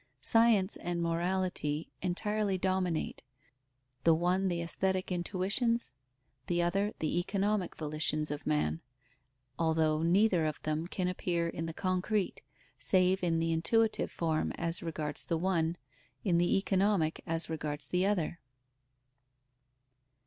Science and morality entirely dominate, the one the aesthetic intuitions, the other the economic volitions of man, although neither of them can appear in the concrete, save in the intuitive form as regards the one, in the economic as regards the other.